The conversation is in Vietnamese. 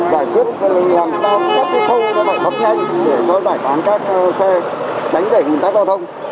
giải quyết làm sao chấp thông giải phóng nhanh để giải phóng các xe đánh đẩy người ta giao thông